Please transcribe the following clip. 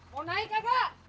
mau naik kagak